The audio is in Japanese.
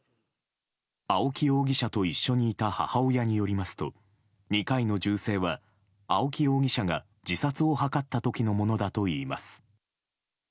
青木容疑者と一緒にいた母親によりますと２回の銃声は青木容疑者が自殺を図った時のものだといいます。